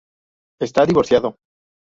Está divorciado.